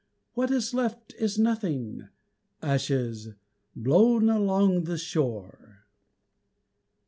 What is left is nothing Ashes blown along the shore!